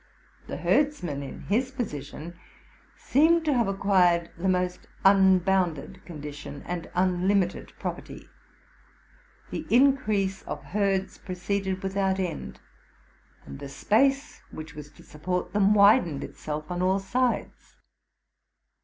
The herdsman in his position seemed to have acquired the most unbounded condition and unlimited property. The increase of herds proceeded without end, and the space which was to support them widened itself on all sides.